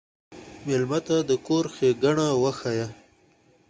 مېلمه ته د کور ښيګڼه وښیه.